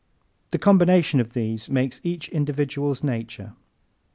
The combination of these makes each individual's nature.